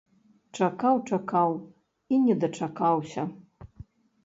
Чакаў-чакаў і не дачакаўся.